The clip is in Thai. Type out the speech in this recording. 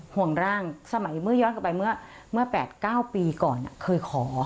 ห่วงร่างสมัยเมื่อย้อนกลับไปเมื่อ๘๙ปีก่อนเคยขอ